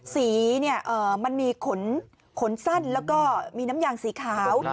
สีเนี่ยมันมีขนสั้นแล้วก็มีน้ำยางสีขาว